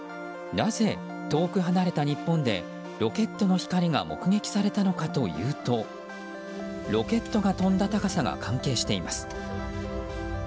なぜ、遠く離れた日本でロケットの光が目撃されたのかというとロケットが飛んだ高さが関係しています。